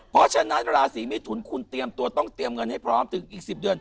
เพราะฉะนั้นราศีเมทุนคุณเตรียมตัวต้องเตรียมเงินให้พร้อมถึงอีก๑๐เดือน